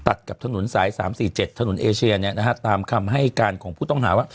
ตัดกับถนนสาย๓๔๗ถนนเอเชียตามคำให้การของผู้ต้องหาว่า